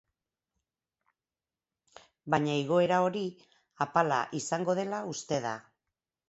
Baina igoera hori apala izango dela uste da.